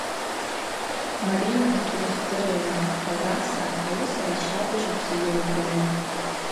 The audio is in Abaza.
Марина дтурыхдырыгӏвын, ауаса ауысара швабыж бзи йылбун.